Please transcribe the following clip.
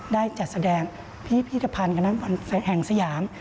ได้จัดแสดงพิทธภัณฑ์กำหนักบอลแห่งสยาม